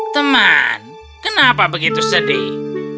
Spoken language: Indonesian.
teman kenapa begitu sedih